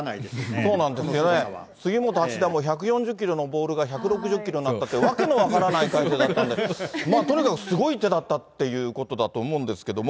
そうなんですよね、杉本八段も、１４０キロのボールが１６０キロになったって、訳の分からない解説してたんですけれども、とにかくすごい手だったということだと思うんですけれども。